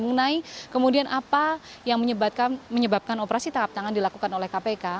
mengenai kemudian apa yang menyebabkan operasi tangkap tangan dilakukan oleh kpk